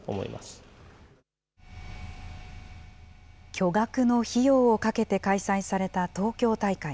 巨額の費用をかけて開催された東京大会。